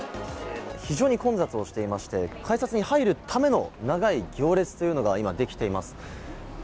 非常に混雑をしていまして、改札に入るための長い行列ができています。